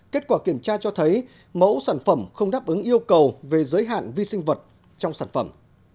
kết quả kiểm tra cho thấy mẫu sản phẩm không đáp ứng yêu cầu về giới hạn vi sinh vật trong sản phẩm